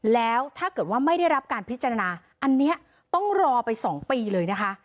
แล้วถ้าเกิดว่าไม่ได้รับการพิจารณาอันนี้ต้องรอไป๒ปีเลยนะคะ